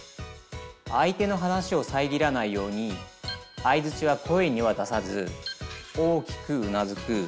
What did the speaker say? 相手の話をさえぎらないようにあいづちは声には出さず大きくうなずく。